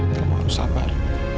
kamu harus sabar